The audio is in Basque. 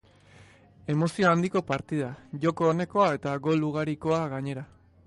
Emozio handiko partida, joko onekoa eta gol ugarikoa gainera.